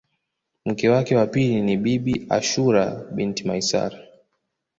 Mke wake wa pili ni Bibi Ashura binti Maisara